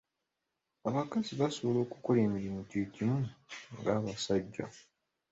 Abakazi basobola okukola emirimu gy'egimu nga abasajja.